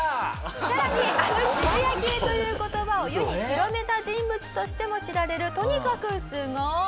さらにあの「渋谷系」という言葉を世に広めた人物としても知られるとにかくすごい人。